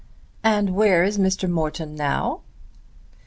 "And where is Mrs. Morton now?"